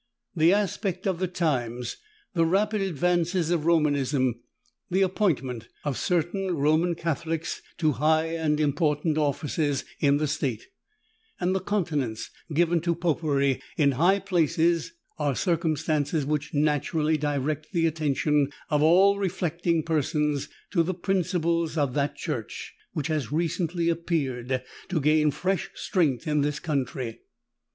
The aspect of the times, the rapid advances of Romanism, the appointment of certain Roman Catholics to high and important offices in the State, and the countenance given to Popery in high places, are circumstances which naturally direct the attention of all reflecting persons to the principles of that Church, which has recently appeared to gain fresh strength in this country.